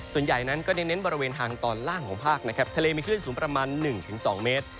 ส่วนใหญ่นั้นก็เน้นบริเวณทางตอนล่างของภาคนะครับทะเลมีคลื่นสูงประมาณ๑๒เมตร